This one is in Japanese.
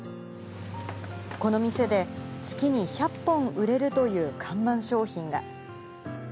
この店で、月に１００本売れるという看板商品が。